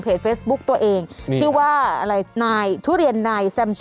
เพจเฟซบุ๊กตัวเองชื่อว่าทุเรียนนายแซมช่อ